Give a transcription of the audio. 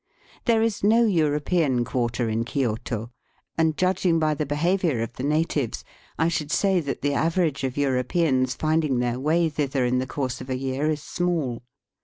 There is no European quarter in Kioto, and, judging from the behaviour of the natives, I should say that the average of Europeans finding their way thither in the course of a year is small.